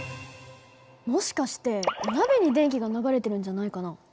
もしかしてお鍋に電気が流れてるんじゃないかな？